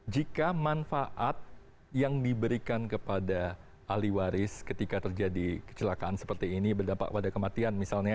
jika manfaat yang diberikan kepada ahli waris ketika terjadi kecelakaan seperti ini berdampak pada kematian misalnya